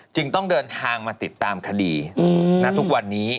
ต้องเดินทางมาติดตามคดีณทุกวันนี้